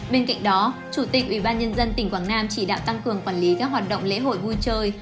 bên cạnh đó chủ tịch ubnd tỉnh quảng nam chỉ đạo tăng cường quản lý các hoạt động lễ hội vui chơi